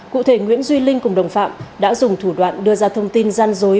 cụ thể nguyễn duy linh cùng đồng phạm đã dùng thủ đoạn đưa ra thông tin gian dối